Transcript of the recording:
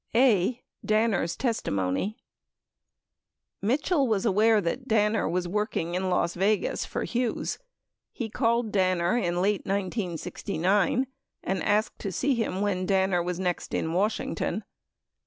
28 a. Danner's Testimony Mitchell was aware that Danner was working in Las Vegas for Hughes. He called Danner in late 1969 and asked to see him when Danner was next in Washington.